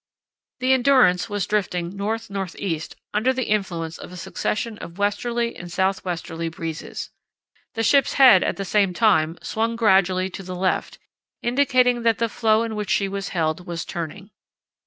The Endurance was drifting north north east under the influence of a succession of westerly and south westerly breezes. The ship's head, at the same time, swung gradually to the left, indicating that the floe in which she was held was turning.